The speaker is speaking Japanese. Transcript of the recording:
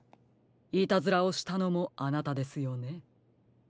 イタズラをしたのもあなたですよね？